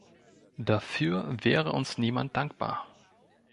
Dafür wäre uns niemand dankbar.